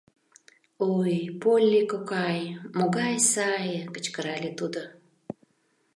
— Ой, Полли кокай, могай сае! — кычкырале тудо.